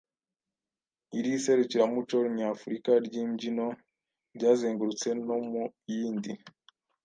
Iri Serukiramuco Nyafurika ry’Imbyino ryazengurutse no mu yindi